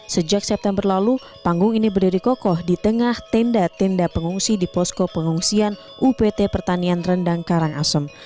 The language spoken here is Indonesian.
sejak september lalu panggung ini berdiri kokoh di tengah tenda tenda pengungsi di posko pengungsian upt pertanian rendang karangasem